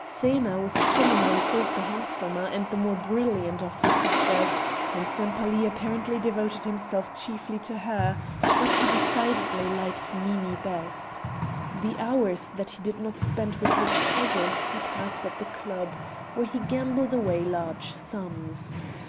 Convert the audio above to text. Xena was commonly thought the handsomer and the more brilliant of the sisters, and Sempaly apparently devoted himself chiefly to her, but he decidedly liked Nini best. The hours that he did not spend with his cousins he passed at the club, where he gambled away large sums.